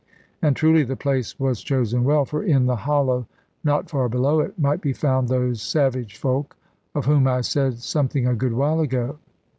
And truly the place was chosen well; for in the hollow not far below it, might be found those savage folk, of whom I said something a good while ago.